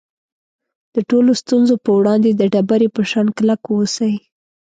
د ټولو ستونزو په وړاندې د ډبرې په شان کلک واوسئ.